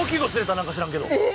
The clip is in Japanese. なんか知らんけど。